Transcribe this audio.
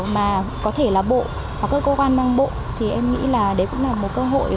mà có thể là bộ có cơ quan băng bộ thì em nghĩ là đấy cũng là một cơ hội